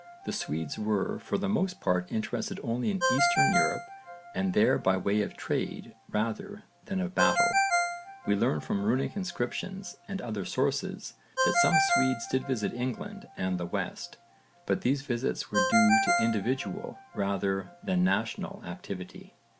The Swedes were for the most part interested only in Eastern Europe and there by way of trade rather than of battle: we learn from runic inscriptions and other sources that some Swedes did visit England and the West, but these visits were due to individual rather than national activity.